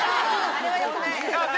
あれは良くない。